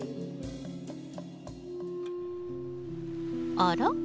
あら？